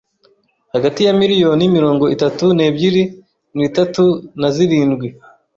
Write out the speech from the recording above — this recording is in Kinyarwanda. hagati ya miriyoni mirongo itatu nebyiri n’itatu na zirindwi